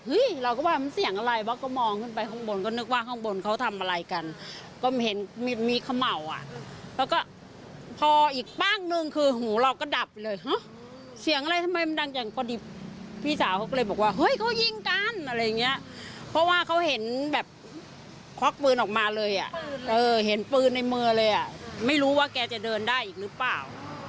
เอานี่สิอยู่ในมือเลยอ่ะไม่รู้ว่าแกจะเดินได้หรือเปล่า